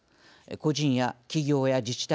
個人や企業や自治体